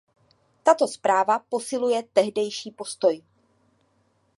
Tato zpráva posiluje tehdejší postoj.